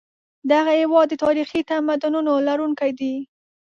دغه هېواد د تاریخي تمدنونو لرونکی دی.